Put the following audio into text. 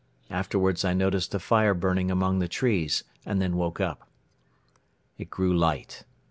Afterwards I noticed a fire burning among the trees and then woke up. It grew light.